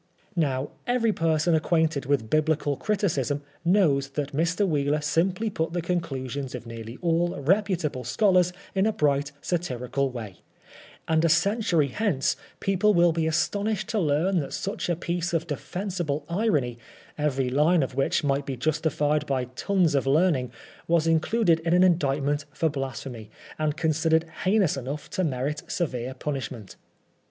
Now, every person acquainted with Biblical criticism PBEFAIUNG FOB TBIAL. 65 knows that Mr. Wheeler simply put the conclusions of nearly all reputable scholars in a bright, satirical way; and a century hence people will be astonished to learn that such a piece of defensible irony, every line of which might be justified by tons of learning, was included in an indicment for blasphemy, and con sidered heinous enough to merit severe punishment.